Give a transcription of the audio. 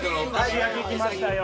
石焼来ましたよ。